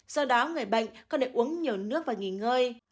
do đó người bệnh còn để uống nhiều nước và nghỉ ngơi